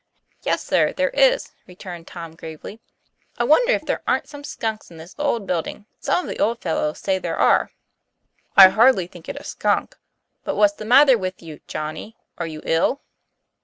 "Yes, sir, there is," returned Tom gravely. 'I wonder if there arn't some skunks in this old build ing. Some of the old fellows says there are." " I hardly think it a skunk. But what's the mat ter with you, Johnny? are you ill?"